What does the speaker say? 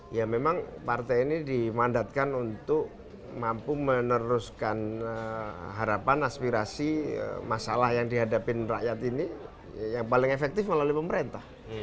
ya memang partai ini dimandatkan untuk mampu meneruskan harapan aspirasi masalah yang dihadapin rakyat ini yang paling efektif melalui pemerintah